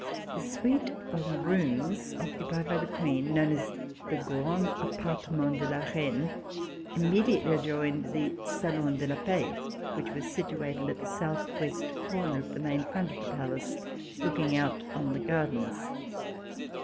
The suite of rooms occupied by the Queen, known as the Grands Appartements de la Reine, immediately adjoined the Salon de la Paix, which was situated at the southwest corner of the main front of the Palace looking out on the gardens.